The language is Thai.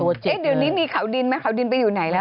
ตัวเจ็ดเลยคือเดี๋ยวนี้มีเขาดินไหมขาวดินไปอยู่ไหนแล้ว